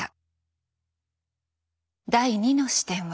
第２の視点は。